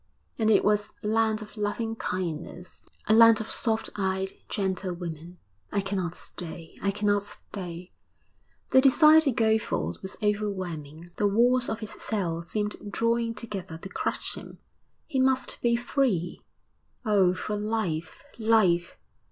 And it was a land of loving kindness, a land of soft eyed, gentle women. 'I cannot stay! I cannot stay!' The desire to go forth was overwhelming, the walls of his cell seemed drawing together to crush him; he must be free. Oh, for life! life!